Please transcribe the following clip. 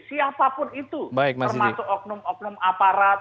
siapapun itu termasuk oknum oknum aparat